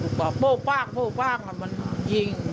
กลุ่มว่าปโห้ป้างมันยิง